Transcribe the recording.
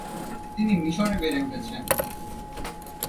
তিনি মিশরে বেড়ে উঠেছেন।